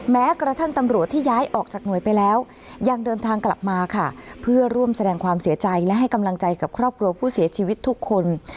แม้กระทั่งตำรวจที่ย้ายออกจากหน่วยไปแล้วยังเดินทางกลับมาค่ะเพื่อร่วมแสดงความเสียใจและให้กำลังใจกับครอบครัวผู้เสียชีวิตทุกคน